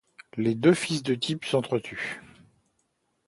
Les deux fils d'Œdipe s'entretuent.